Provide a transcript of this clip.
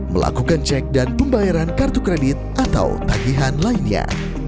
melakukan cek dan pembayaran kartu kredit atau tagihan lainnya